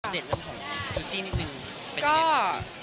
เดินเรื่องของซูซี่นิดนึง